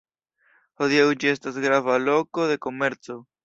Hodiaŭ ĝi estas grava loko de komerco.